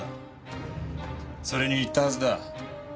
それに言ったはずだ。